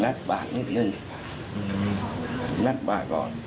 งัดบากนิดนึงงัดบากก่อน